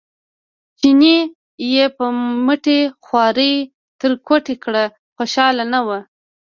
چیني یې په مټې خوارۍ تر کوټې کړ خوشاله نه و.